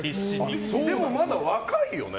でもまだ若いよね？